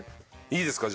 いいですか？